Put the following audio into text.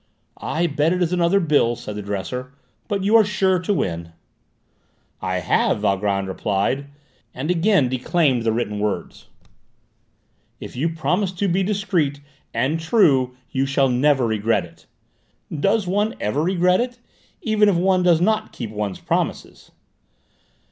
"I bet it is another bill," said the dresser; "but you are sure to win." "I have," Valgrand replied, and again declaimed the written words: "'if you promise to be discreet, and true, you shall never regret it.' Does one ever regret it even if one does not keep one's promises?"